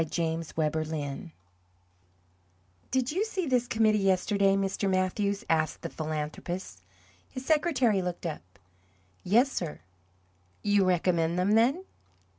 JAMES WEBER LINN "Did you see this committee yesterday, Mr. Mathews?" asked the philanthropist. His secretary looked up. "Yes, sir." "You recommend them then?"